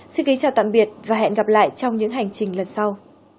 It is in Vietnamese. xin kính chào tạm biệt và hẹn gặp lại trong những hành trình lần sau